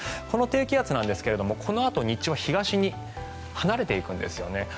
この低気圧なんですがこのあと東に離れていくんですよね。